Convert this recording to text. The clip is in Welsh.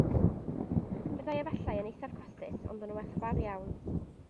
Byddai efallai yn eithaf costus, ond yn werthfawr iawn